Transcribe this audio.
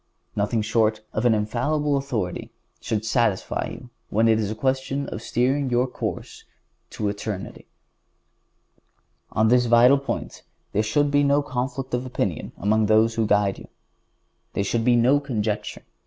Nothing short of an infallible authority should satisfy you when it is a question of steering your course to eternity. On this vital point there should be no conflict of opinion among those that guide you. There should be no conjecture.